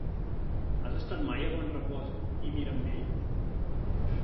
Has estat mai a Bonrepòs i Mirambell?